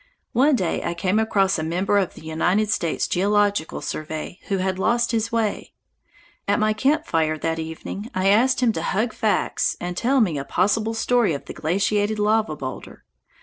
One day I came across a member of the United States Geological Survey who had lost his way. At my camp fire that evening I asked him to hug facts and tell me a possible story of the glaciated lava boulder.